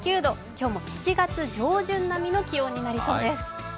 今日も７月上旬並みの気温になりそうです。